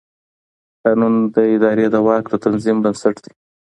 قانون د ادارې د واک د تنظیم بنسټ دی.